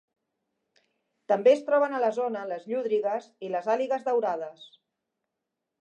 També es troben a la zona les llúdries i les àligues daurades.